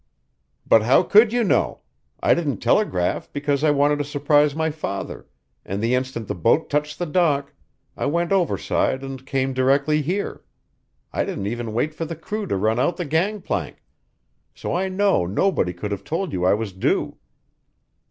"But how could you know? I didn't telegraph because I wanted to surprise my father, and the instant the boat touched the dock, I went overside and came directly here. I didn't even wait for the crew to run out the gangplank so I know nobody could have told you I was due."